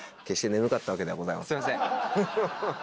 決して眠かったわけではございません。